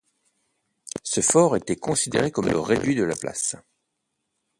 Ce fort était considéré comme le réduit de la place.